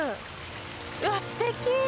うわ、すてき。